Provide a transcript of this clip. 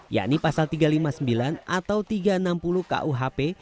yakni pasal tiga ratus lima puluh sembilan atau tiga ratus enam puluh kuhp